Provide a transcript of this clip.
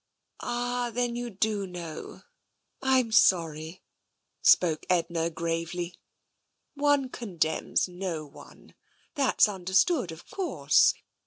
" Ah, then you do know. Fm sorry," spoke Edna gravely. " One condemns no one — that's under stood, of course.